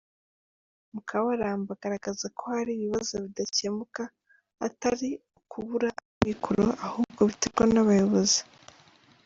Mukabaramba agaragaza ko hari ibibazo bidakemuka atari ukubura amikoro ahubwo biterwa n’ aboyobozi.